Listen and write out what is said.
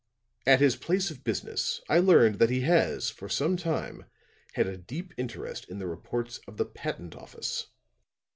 At his place of business I learned that he has for some time had a deep interest in the reports of the patent office.